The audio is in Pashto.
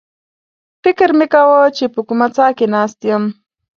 فکر مې کاوه چې په کومه څاه کې ناست یم.